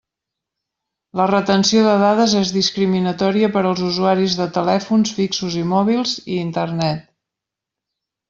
La retenció de dades és discriminatòria per als usuaris de telèfons, fixos i mòbils, i Internet.